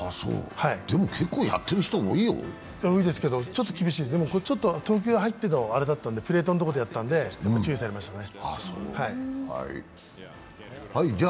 でも結構やってる人、多いよ多いですけど、ちょっと厳しい、でも投球に入っていて、プレートのところでやったので注意されましたね。